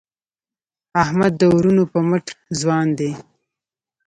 احمد د وروڼو په مټ ځوان دی.